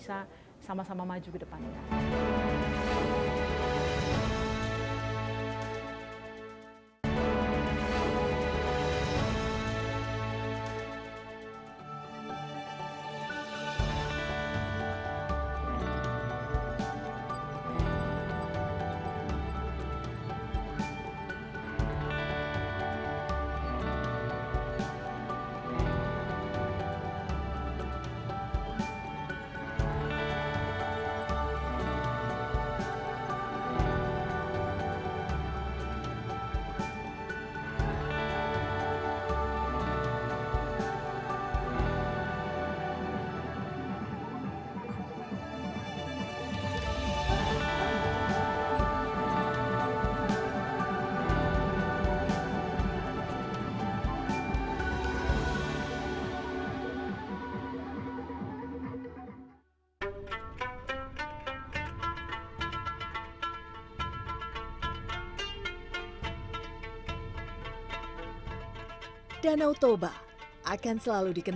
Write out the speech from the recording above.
ketika pandemi sudah berlalu